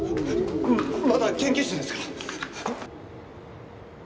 まだ研究室ですか？